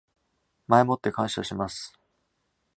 前もって感謝します